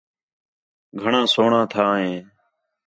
گھݨاں سوہݨاں تھاں ہِے